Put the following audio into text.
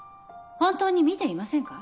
本当に見ていませんか？